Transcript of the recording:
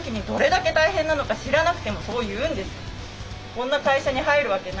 こんな会社に入るわけない。